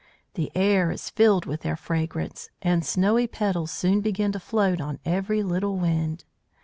The air is filled with their fragrance, and snowy petals soon begin to float on every little wind.